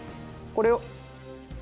これを。